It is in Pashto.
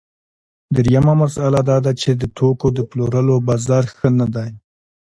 درېیمه مسئله دا ده چې د توکو د پلورلو بازار ښه نه دی